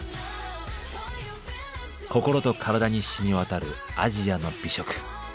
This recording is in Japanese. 心と体に染み渡るアジアの美食。